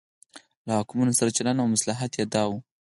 له واکمنو سره چلن او مصلحت یې دا و.